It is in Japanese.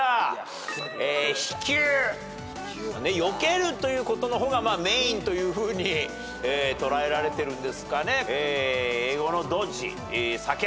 避球よけるということの方がメインというふうに捉えられてるんですかね。